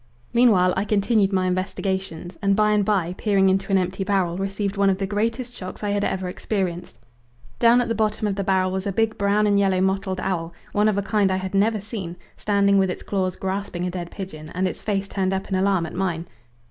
Meanwhile I continued my investigations, and by and by, peering into an empty barrel received one of the greatest shocks I had ever experienced. Down at the bottom of the barrel was a big brown and yellow mottled owl, one of a kind I had never seen, standing with its claws grasping a dead pigeon and its face turned up in alarm at mine.